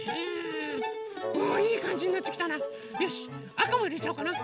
あかもいれちゃおうかな。